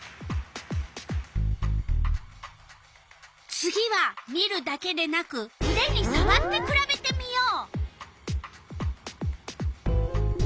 次は見るだけでなくうでにさわってくらべてみよう。